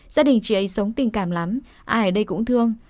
gia đình chị ấy sống tình cảm lắm ai ở đây cũng thương